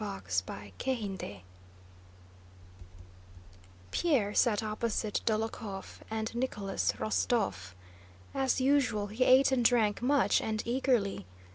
CHAPTER IV Pierre sat opposite Dólokhov and Nicholas Rostóv. As usual, he ate and drank much, and eagerly.